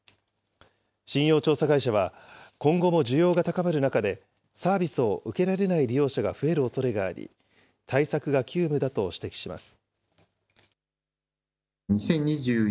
信用調査会社は、今後も需要が高まる中で、サービスを受けられない利用者が増えるおそれがあり、対策が急務だと指摘します。